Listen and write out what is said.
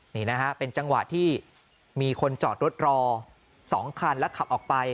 นี่นะฮะเป็นจังหวะที่มีคนจอดรถรอ๒คันแล้วขับออกไป